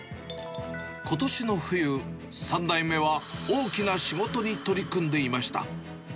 ことしの冬、３代目は大きな仕事に取り組んでいました。